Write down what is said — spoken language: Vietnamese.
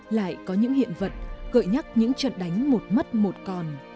lại có những hiện vật gợi nhắc những trận đánh một mất một còn